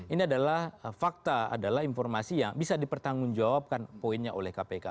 ini adalah fakta adalah informasi yang bisa dipertanggungjawabkan poinnya oleh kpk